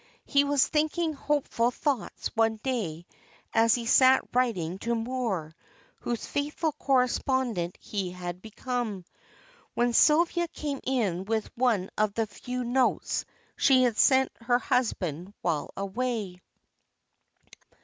He was thinking hopeful thoughts one day as he sat writing to Moor, whose faithful correspondent he had become, when Sylvia came in with one of the few notes she sent her husband while away.